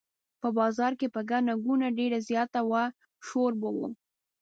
په بازار کې به ګڼه ګوڼه ډېره زیاته وه شور به و.